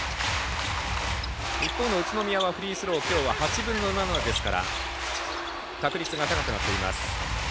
一方の宇都宮はフリースロー８分の７ですから確率が高くなっています。